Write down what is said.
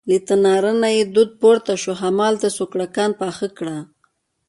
له تناره نه یې دود پورته شو، هماغلته سوکړکان پاخه کړه.